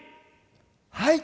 はい！